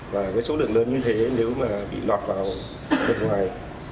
và với số lượng lớn như thế nếu mà bị lọt vào bên ngoài